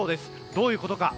どういうことか。